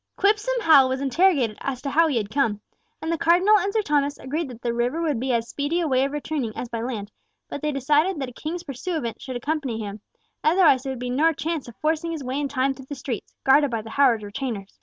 Quipsome Hal was interrogated as to how he had come, and the Cardinal and Sir Thomas agreed that the river would be as speedy a way of returning as by land; but they decided that a King's pursuivant should accompany him, otherwise there would be no chance of forcing his way in time through the streets, guarded by the Howard retainers.